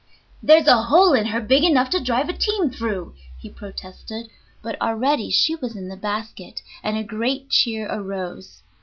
"There's a hole in her big enough to drive a team through," he protested; but already she was in the basket, and a great cheer arose.